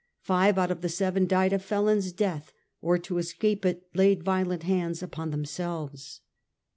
Five out of the seven died a felon's death, or to escape it laid violent hands upon themselves.